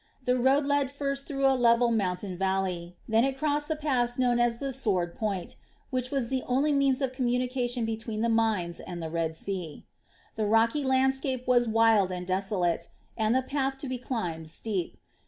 The road led first through a level mountain valley, then it crossed the pass known as the "Sword point ", which was the only means of communication between the mines and the Red Sea. The rocky landscape was wild and desolate, and the path to be climbed steep.